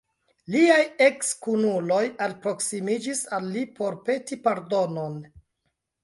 Liaj eks-kunuloj alproksimiĝis al li por peti pardonon.